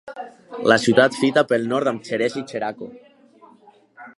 La ciutat fita pel nord amb Xeresa i Xeraco.